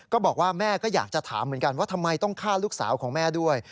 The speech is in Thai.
ก็บอกว่าแม่ก็อยากจะถามเหมือนกันว่าทำไมต้องฆ่าลูกสาวของแม่ด้วย